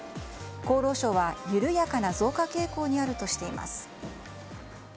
厚労省は緩やかな増加傾向にあるとしています。